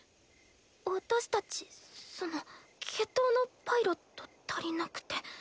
私たちその決闘のパイロット足りなくて。